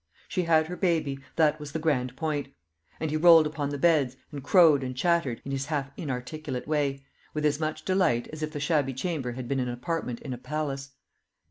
She had her baby that was the grand point; and he rolled upon the beds, and crowed and chattered, in his half inarticulate way, with as much delight as if the shabby chamber had been an apartment in a palace.